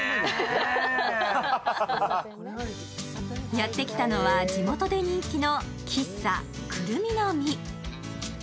やってきたのは地元で人気の喫茶くるみの実。